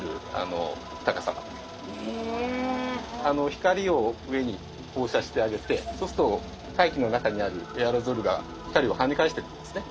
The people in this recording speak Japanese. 光を上に放射してあげてそうすると大気の中にあるエアロゾルが光を跳ね返してくるんですね。